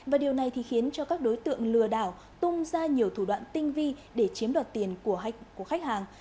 và điều này thì khiến cho các đối tượng lừa đảo tung ra nhiều thủ đoạn tinh vi để chiếm đoạt tiền của khách hàng